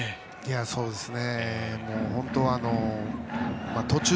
そうですね。